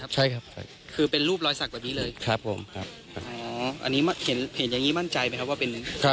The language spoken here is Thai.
จำได้เย็น